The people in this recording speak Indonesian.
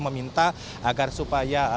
meminta agar superiorennya